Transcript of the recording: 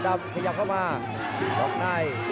ที่เคยับเข้ามาหรอกใน